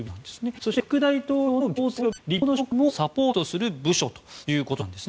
そして、副大統領の行政及び立法の職務をサポートする部署ということです。